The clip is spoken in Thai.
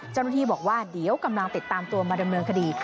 เจ้าหน้าที่บอกว่าเดี๋ยวกำลังติดตามตัวมาดำเนินคดี